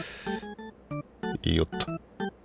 よっと。